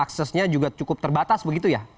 aksesnya juga cukup terbatas begitu ya